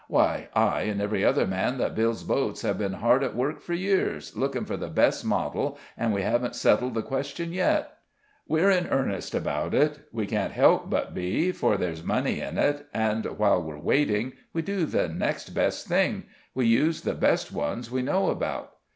Why, I and every other man that builds boats have been hard at work for years, looking for the best model, and we haven't settled the question yet. We're in earnest about it we can't help but be, for there's money in it, and while we're waiting we do the next best thing we use the best ones we know about."